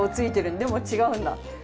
でも違うんだ。